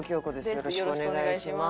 よろしくお願いします」。